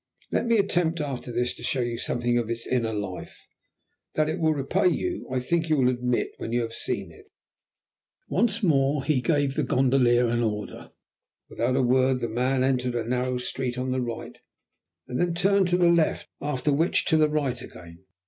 Let me attempt after this to show you something of its inner life. That it will repay you I think you will admit when you have seen it." Once more he gave the gondolier an order. Without a word the man entered a narrow street on the right, then turned to the left, after which to the right again.